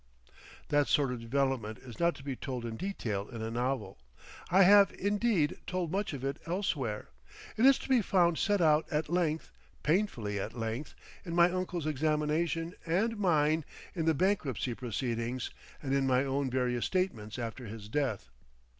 That sort of development is not to be told in detail in a novel. I have, indeed, told much of it elsewhere. It is to be found set out at length, painfully at length, in my uncle's examination and mine in the bankruptcy proceedings, and in my own various statements after his death.